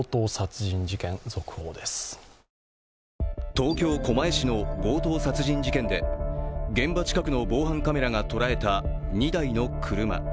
東京・狛江市の強盗殺人事件で現場近くの防犯カメラが捉えた２台の車。